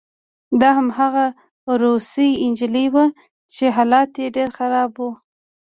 دا هماغه روسۍ نجلۍ وه چې حالت یې ډېر خراب و